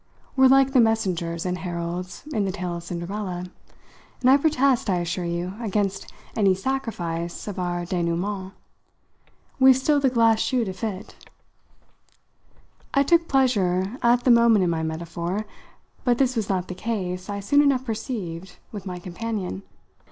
We're like the messengers and heralds in the tale of Cinderella, and I protest, I assure you, against any sacrifice of our dénoûment. We've still the glass shoe to fit." I took pleasure at the moment in my metaphor; but this was not the case, I soon enough perceived, with my companion.